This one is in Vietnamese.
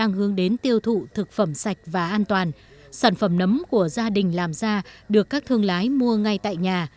nhưng khi trồng nấm của gia đình anh đã có thời gian dài mua ngay tại nhà